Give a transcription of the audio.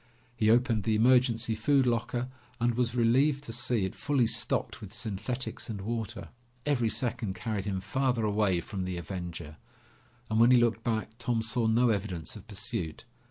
He opened the emergency food locker and was relieved to see it fully stocked with synthetics and water. Every second carried him farther away from the Avenger, and when he looked back, Tom saw no evidence of pursuit.